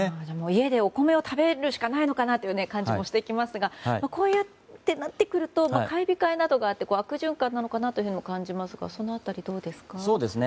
家でお米を食べるしかないのかなという感じもしてきますがこうなってくると買い控えなどがあって悪循環なのかなと感じますがその辺り、どうですか。